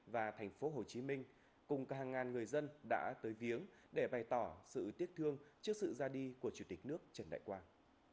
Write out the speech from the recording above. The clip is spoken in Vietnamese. và tp hcm cùng hàng ngàn người dân đã tới viếng để bày tỏ sự tiếc thương trước sự ra đi của chủ tịch nước trần đại quang